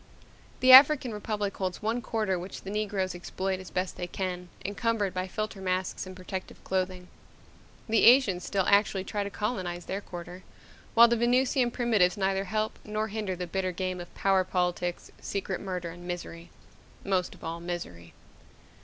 The African Republic holds one quarter which the Negroes exploit as best they can, encumbered by filter masks and protective clothing. The Asians still actually try to colonize their quarter, while the Venusian primitives neither help nor hinder the bitter game of power politics, secret murder, and misery most of all, misery.